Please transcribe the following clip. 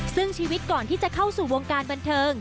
ซึ่งชีวิตก่อนที่จะเข้าสู่วงการบันเทิง